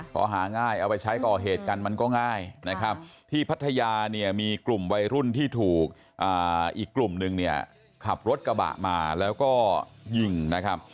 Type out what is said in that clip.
พอหาง่ายเอาไปใช้ก่อเหตุกันมันก็ง่ายนะครับที่พัทยาเนี่ยมีกลุ่มวัยรุ่นที่ถูกอีกกลุ่มนึงเนี่ยขับรถกระบะมาแล้วก็ยิงนะครับ